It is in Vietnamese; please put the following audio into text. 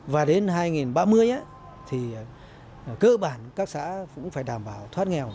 và đến hai nghìn ba mươi thì cơ bản các xã cũng phải đảm bảo thoát nghèo